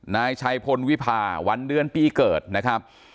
นายชัยพลวิพาวันเดือนปีเกิดนะครับ